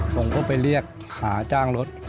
ผมก็ไปเรียกหาจ้างรถ